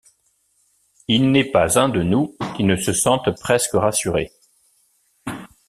Il n’est pas un de nous qui ne se sente presque rassuré!